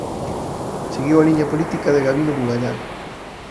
Seguiu a liña política de Gabino Bugallal.